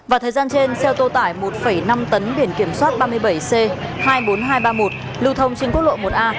vào thời gian trên xe ô tô tải một năm tấn biển kiểm soát ba mươi bảy c hai mươi bốn nghìn hai trăm ba mươi một lưu thông trên quốc lộ một a